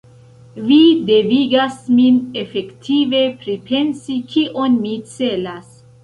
Vi devigas min efektive pripensi, kion mi celas.